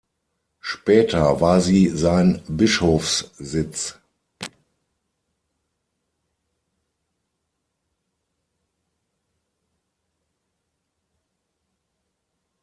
Später war sie sein Bischofssitz.